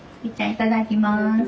いただきます。